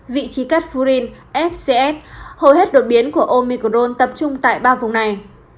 vị trí cắt furin fcs hầu hết đột biến của omicron tập trung tại ba vùng này